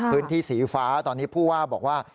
พื้นที่สีฟ้าตอนนี้ผู้ว่าบอกว่า